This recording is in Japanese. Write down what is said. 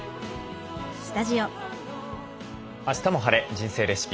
人生レシピ」。